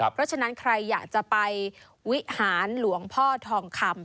เพราะฉะนั้นใครอยากจะไปวิหารหลวงพ่อทองคำ